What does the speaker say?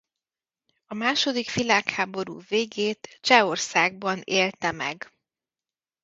A második világháború végét Csehországban élte meg.